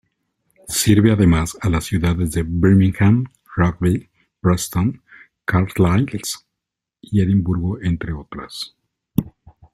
Sirve además a las ciudades de Birmingham, Rugby, Preston, Carlisle y Edimburgo entre otras.